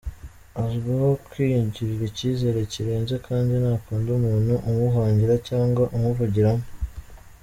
Azwiho kwigirira icyizere kirenze kandi ntakunda umuntu umuvangira cyangwa umuvugiramo.